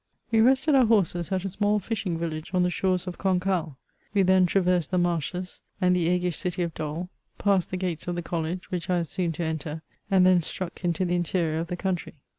We rested our horses at a small fishing village on the shores of Cancale. We then traversed the marshes and the aguish city of Dol^ passed the gates of the college which I was socm to enter^ and then struck into the interior of the country.